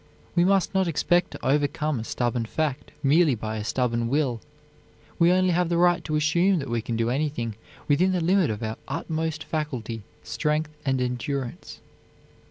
We must not expect to overcome a stubborn fact merely by a stubborn will. We only have the right to assume that we can do anything within the limit of our utmost faculty, strength, and endurance.